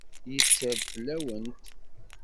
Yetter-d fell-awent.